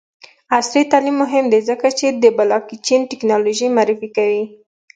عصري تعلیم مهم دی ځکه چې د بلاکچین ټیکنالوژي معرفي کوي.